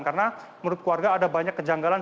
karena menurut keluarga ada banyak kejanggalan